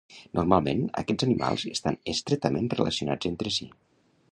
Normalment, aquests animals estan estretament relacionats entre si.